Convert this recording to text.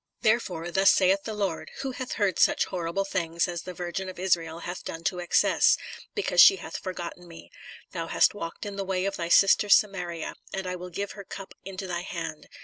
"Therefore thus saith the Lord: Who hath heard such horrible things as the virgin of Israel hath done to excess ?... because she hath forgotten me. ... Thou hast walked in the way of thy sister Samaria, and I will give her cup into thy hand.